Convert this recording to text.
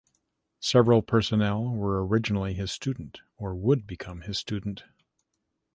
Several personnel were originally his student or would become his student.